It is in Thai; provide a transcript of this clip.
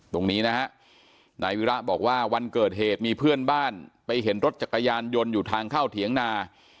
ตรงนี้นะฮะนายวิระบอกว่าวันเกิดเหตุมีเพื่อนบ้านไปเห็นรถจักรยานยนต์อยู่ทางเข้าเถียงนา